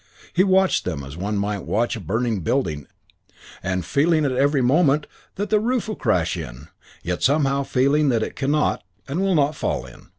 He watched them as one might be watching a burning building and feeling at every moment that the roof will crash in, yet somehow feeling that it cannot and will not fall in.